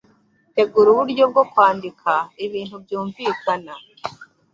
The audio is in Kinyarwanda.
Tegura uburyo bwo kwandika ibintu byumvikana